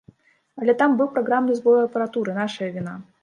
Але там быў праграмны збой у апаратуры, нашая віна.